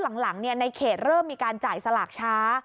หลังในเขตเริ่มมีการจ่ายสลากช้า